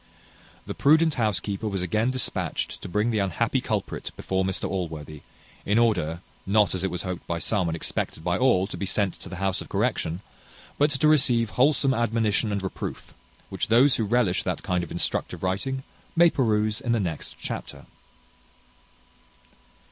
The prudent housekeeper was again dispatched to bring the unhappy culprit before Mr Allworthy, in order, not as it was hoped by some, and expected by all, to be sent to the house of correction, but to receive wholesome admonition and reproof; which those who relish that kind of instructive writing may peruse in the next chapter.